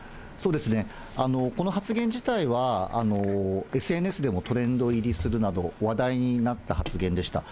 この発言自体はＳＮＳでもトレンド入りするなど、話題になった発言でした。